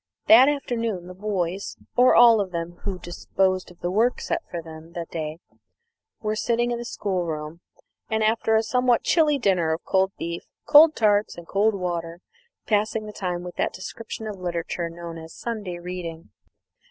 That afternoon the boys, or all of them who had disposed of the work set them for the day, were sitting in the schoolroom, after a somewhat chilly dinner of cold beef, cold tarts, and cold water, passing the time with that description of literature known as "Sunday reading."